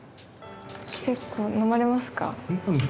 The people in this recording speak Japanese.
結構飲まれますか？